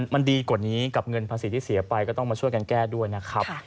มันดีกว่านี้กับเงินภาษีที่เสียไปก็ต้องมาช่วยกันแก้ด้วยนะครับ